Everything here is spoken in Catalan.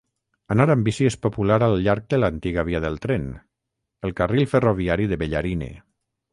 Anar amb bici és popular al llarg de l'antiga via del tren: el carril ferroviari de Bellarine.